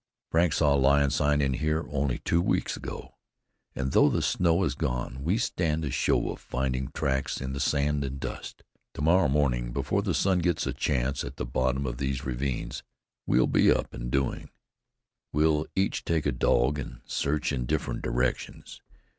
Frank saw lion sign in here only two weeks ago; and though the snow is gone, we stand a show of finding tracks in the sand and dust. To morrow morning, before the sun gets a chance at the bottom of these ravines, we'll be up and doing. We'll each take a dog and search in different directions.